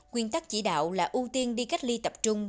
quyên tắc chỉ đạo là ưu tiên đi cách ly tập trung